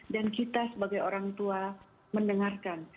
dan kita sebagai orang tua mendengarkan